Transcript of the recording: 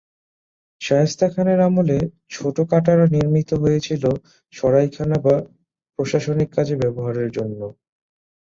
শায়েস্তা খানের আমলে ছোট কাটরা নির্মিত হয়েছিল সরাইখানা বা প্রশাসনিক কাজে ব্যবহারের জন্য।